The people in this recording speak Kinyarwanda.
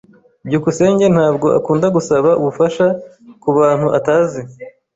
byukusenge ntabwo akunda gusaba ubufasha kubantu atazi.